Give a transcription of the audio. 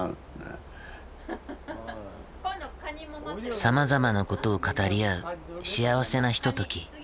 さまざまなことを語り合う幸せなひととき。